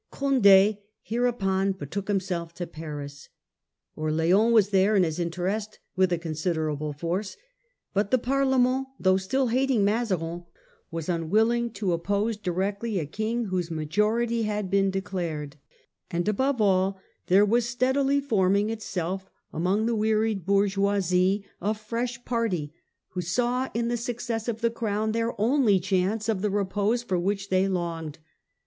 Cond£ hereupon betook himself to Paris. Qrleans MM. F 66 The Rebellion of Conte. 1652. was there in his interest, with a considerable force. But the Parlement \ though still hating Mazarin, was Condcgoes unwilling to oppose directly a King whose StauTof the ma J or * t y had been declared. And above all, capital. there was steadily forming itself among the wearied bourgeoisie a fresh party, who saw in the success of the Crown their only chance of the repose for which they longed.